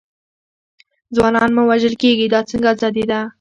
ځوانان مو وژل کېږي، دا څنګه ازادي ده.